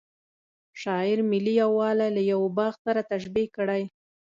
شاعر ملي یوالی له یوه باغ سره تشبه کړی.